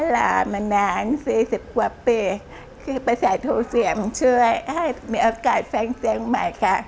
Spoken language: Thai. ลามานาน๔๐กว่าปีคือภาษาโทรเสียงช่วยให้มีโอกาสแฟ้งเสียงใหม่ค่ะ